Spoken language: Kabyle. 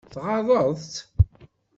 Tɣaḍeḍ-tt?